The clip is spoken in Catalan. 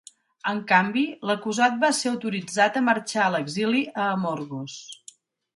En canvi, l'acusat va ser autoritzat a marxar a l'exili a Amorgos